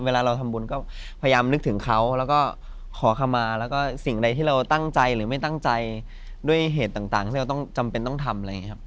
เวลาเราทำบุญก็พยายามนึกถึงเขาแล้วก็ขอคำมาแล้วก็สิ่งใดที่เราตั้งใจหรือไม่ตั้งใจด้วยเหตุต่างที่เราต้องจำเป็นต้องทำอะไรอย่างนี้ครับ